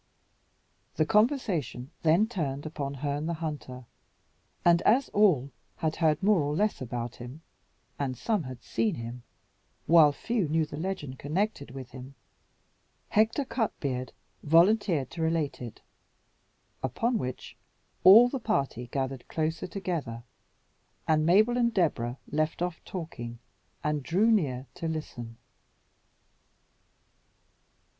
The conversation then turned upon Herne the Hunter; and as all had heard more or less about him, and some had seen him, while few knew the legend connected with him, Hector Cutbeard volunteered to relate it; upon which all the party gathered closer together, and Mabel and Deborah left off talking, and drew near to listen.